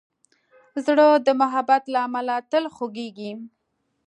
زړه د محبت له امله تل خوږېږي.